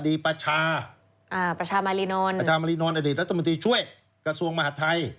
ประชาอ่าประชามารีนอนประชามารีนอนอดีตรัฐมนตรีช่วยกระทรวงมหาดไทย